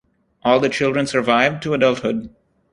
All the children survived to adulthood.